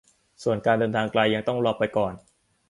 ส่วนการเดินทางไกลยังต้องรอไปก่อน